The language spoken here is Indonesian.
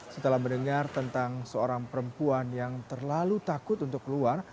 setelah mendengar tentang seorang perempuan yang terlalu takut untuk keluar